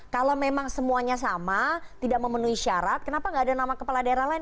kalau memang semuanya sama tidak memenuhi syarat kenapa nggak ada nama kepala daerah lain